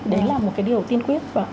đấy là một cái điều tiên quyết